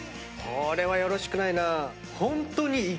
これはよろしくないな。